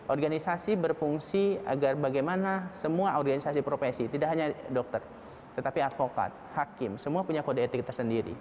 organisasi berfungsi agar bagaimana semua organisasi profesi tidak hanya dokter tetapi advokat hakim semua punya kode etik tersendiri